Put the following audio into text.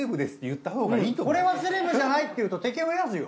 これはセレブじゃないって言うと敵増やすよ。